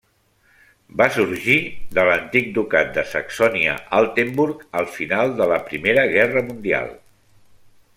Va sorgir de l'antic Ducat de Saxònia-Altenburg al final de la Primera Guerra Mundial.